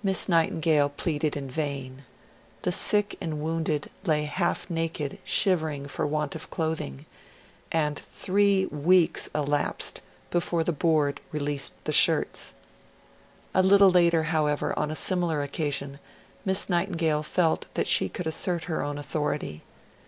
Miss Nightingale pleaded in vain; the sick and wounded lay half naked shivering for want of clothing; and three weeks elapsed before the Board released the shirts. A little later, however, on a similar occasion, Miss Nightingale felt that she could assert her own authority.